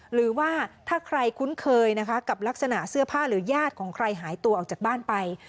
หรือว่าถ้าใครคุ้นเคยนะคะกับลักษณะเสื้อผ้าหรือญาติของใครหายตัวออกจากบ้านไป